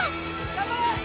頑張れ！